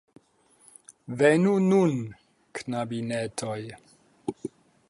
Venu nun, knabinetoj!